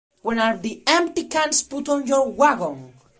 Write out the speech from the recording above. When are the empty cans put on your wagon?